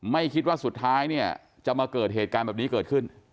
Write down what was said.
ไม่คิดว่าสุดท้ายเนี่ยจะมาเกิดเหตุการณ์แบบนี้เกิดขึ้น